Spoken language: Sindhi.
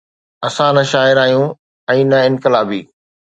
اسان نه شاعر آهيون ۽ نه انقلابي.